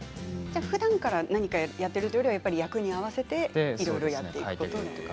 ふだんから何かをやっているというよりは役に合わせていろいろやっていると。